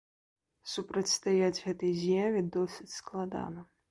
Супрацьстаяць гэтай з'яве досыць складана.